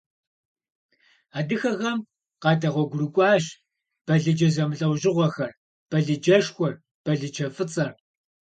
Адыгэхэм къадэгъуэгурыкӀуащ балыджэ зэмылӀэужьыгъуэхэр, балыджэшхуэр, балыджэфӀыцӀэр.